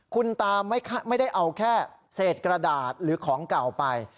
คุณตาไม่ได้เอาแค่เศษกระดาษหรือของเก่าไป